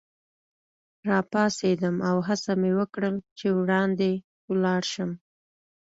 راپاڅېدم او هڅه مې وکړل چي وړاندي ولاړ شم.